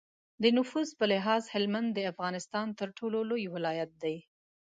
د نفوس په لحاظ هلمند د افغانستان تر ټولو لوی ولایت دی.